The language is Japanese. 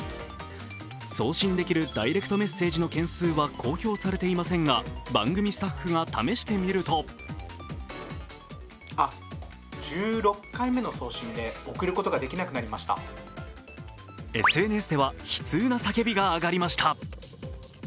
送信できるダイレクトメッセージの件数は公表されていませんが番組スタッフが試してみるとＳＮＳでは悲痛な叫びがあがりました。